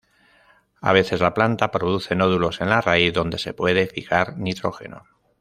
A veces, la planta produce nódulos en la raíz donde se puede fijar nitrógeno.